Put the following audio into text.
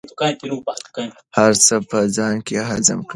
هر څه په ځان کې هضم کړئ.